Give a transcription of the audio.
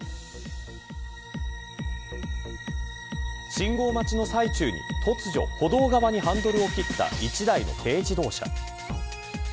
信号待ちの最中に突如歩道側にハンドルを切った１台の軽自動車。